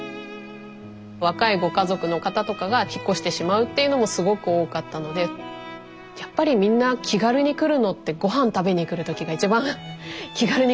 若いご家族の方とかが引っ越してしまうっていうのもすごく多かったのでやっぱりみんな気軽に来るのってごはん食べに来る時が一番気軽に来るなと思って。